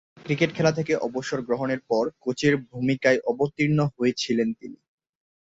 Cricket খেলা থেকে অবসর গ্রহণের পর কোচের ভূমিকায় অবতীর্ণ হয়েছিলেন তিনি।